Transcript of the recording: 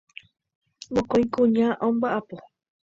Mokõi kuña omba'apo.